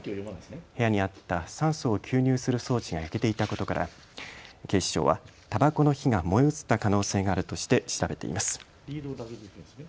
部屋にあった酸素を吸入する装置が焼けていたことから警視庁はたばこの火が燃え移った可能性があるとして調べています。